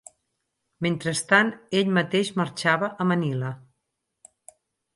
Mentrestant ell mateix marxava a Manila.